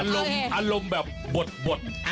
อารมณ์แบบบด